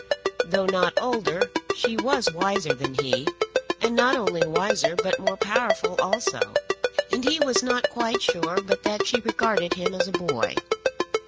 Though not older she was wiser than he, and not only wiser but more powerful also. And he was not quite sure but that she regarded him as a boy.